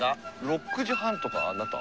６時半とかなった？